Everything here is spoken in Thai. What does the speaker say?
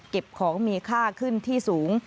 เก็บของมีค่าขึ้นที่สูง